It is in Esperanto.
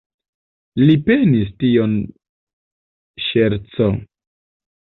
Li penis tion ŝerco.